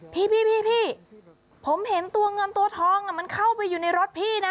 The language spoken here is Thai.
พี่ผมเห็นตัวเงินตัวทองมันเข้าไปอยู่ในรถพี่นะ